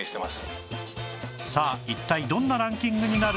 さあ一体どんなランキングになるのか？